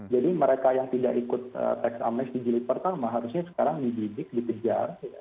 jadi mereka yang tidak ikut tax amnesty gilid pertama harusnya sekarang dibidik ditejar